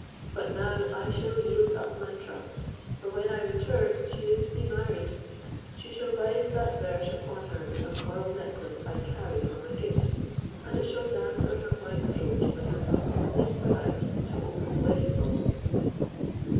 But now I shall yield up my trust, for when I return she is to be married. She shall bind that verse upon her with a coral necklace I carry for my gift, and it shall dance on her white throat when her husband leads her out to open the wedding ball."